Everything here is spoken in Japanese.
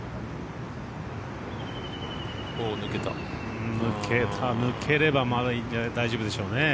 抜ければまだ大丈夫でしょうね。